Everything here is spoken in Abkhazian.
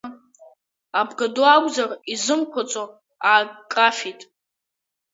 Абгаду акәзар изымқәацо акрафеит.